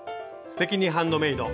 「すてきにハンドメイド」